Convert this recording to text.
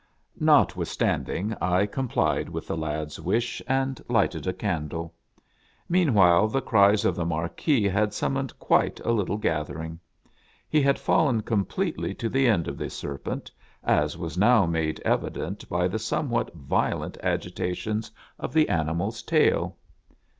Notwithstanding, I complied with the lad's wish, and lighted a candle. Meanwhile, the cries of the Marquis had summoned quite a little gathering. He had fallen completely to the end of the serpent, as was now made evident by the somewhat violent agi tations of the animal's tail.